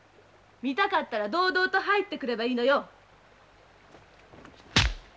見たかったら堂々と入ってくればいいのよ！